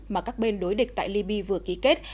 mà các bên đối địch tại libya vừa ký kết